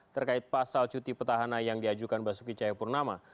terkait pasal cuti petahana yang diajukan basuki cahayapurnama